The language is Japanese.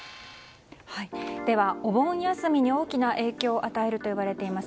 お盆休みに大きな影響を与えるといわれています